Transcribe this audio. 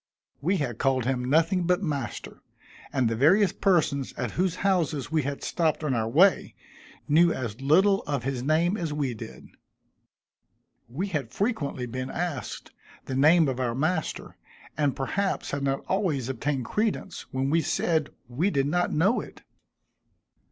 We had called him nothing but "master," and the various persons at whose houses we had stopped on our way, knew as little of his name as we did. We had frequently been asked the name of our master, and perhaps had not always obtained credence, when we said we did not know it.